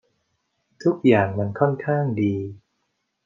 ทุกอย่างมันค่อนข้างดี